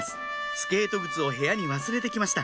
スケート靴を部屋に忘れてきました